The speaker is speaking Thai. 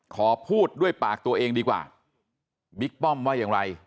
ขอพูดด้วยปากตัวเองดีกว่าบิ๊กป้อมว่าอย่างไร